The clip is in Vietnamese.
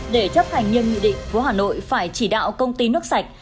để chấp thành nhân nghị định phố hà nội phải chỉ đạo công ty nước sạch